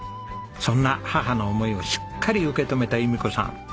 そんな母の思いをしっかり受け止めた弓子さん。